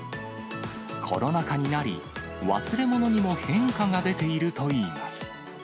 コロナ禍になり、忘れ物にも変化が出ているといいます。